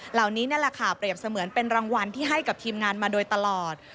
เหล่านี้นั่นแหละค่ะเปรียบเสมือนเป็นรางวัลที่ให้กับทีมงานมาโดยตลอด